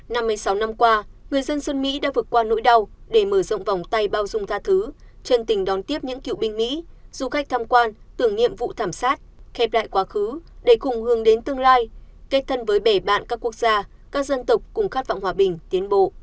năm mươi sáu năm qua người dân sơn mỹ đã vượt qua nỗi đau để mở rộng vòng tay bao dung tha thứ chân tình đón tiếp những cựu binh du khách tham quan tưởng niệm vụ thảm sát khép lại quá khứ để cùng hướng đến tương lai kết thân với bể bạn các quốc gia các dân tộc cùng khát vọng hòa bình tiến bộ